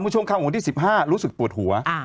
ผู้ช่วงข้ามวันที่๑๕รู้สึกปวดหัว